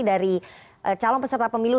dari calon peserta pemilu